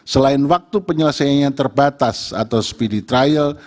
selain waktu penyelesaian yang terbatas atau speedy trial